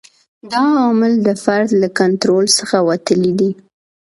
دا عوامل د فرد له کنټرول څخه وتلي دي.